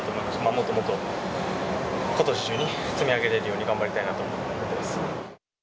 もっともっとことし中に積み上げれるように頑張りたいと思います。